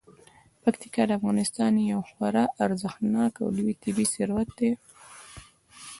پکتیکا د افغانستان یو خورا ارزښتناک او لوی طبعي ثروت دی.